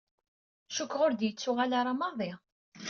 Cukkeɣ ur d-yettuɣal ara maḍi.